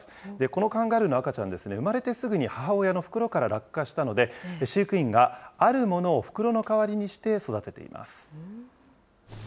このカンガルーの赤ちゃん、産まれてすぐに母親の袋から落下したので、飼育員があるものを袋の代わりにして育てています。